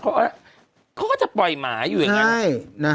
เขาก็จะปล่อยหมาอยู่อย่างนั้น